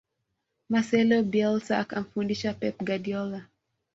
marcelo bielsa akamfundisha pep guardiola